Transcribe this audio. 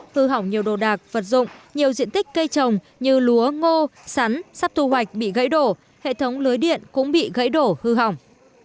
hư hỏng nhiều đồ đạc vật dụng nhiều diện tích cây trồng như lúa ngô sắn sắp thu hoạch bị gãy đổ hệ thống lưới điện cũng bị gãy đổ hư hỏng